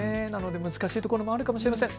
難しいところもあるかもしれません。